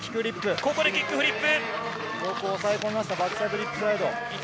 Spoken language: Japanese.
ここでキックフリップ。